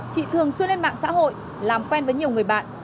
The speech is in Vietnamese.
chị thường xuyên lên mạng xã hội làm quen với nhiều người bạn